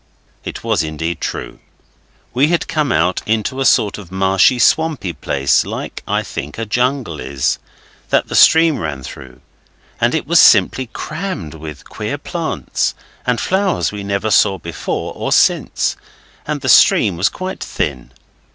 It was indeed true. We had come out into a sort of marshy, swampy place like I think, a jungle is, that the stream ran through, and it was simply crammed with queer plants, and flowers we never saw before or since. And the stream was quite thin.